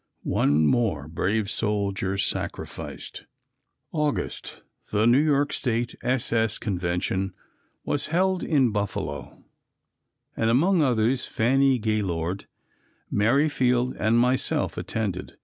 One more brave soldier sacrificed. August. The New York State S. S. Convention was held in Buffalo and among others Fanny Gaylord, Mary Field and myself attended.